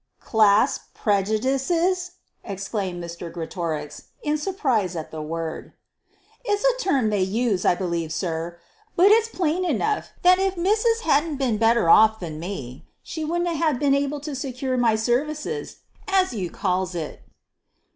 "Class prejudices!" exclaimed Mr. Greatorex, in surprise at the word. "It's a term they use, I believe, sir! But it's plain enough that if mis'ess hadn't 'a' been better off than me, she wouldn't ha' been able to secure my services as you calls it."